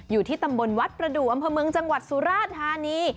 อยู่ที่ตำบลวัดประดูกอำเภอเมืองจังหวัดสุราธานี